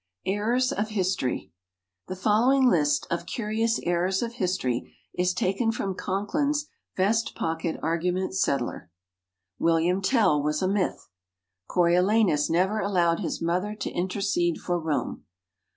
Errors of History The following list of "Curious Errors of History" is taken from Conklin's "Vest Pocket Argument Settler": William Tell was a myth. Coriolanus never allowed his mother to intercede for Rome.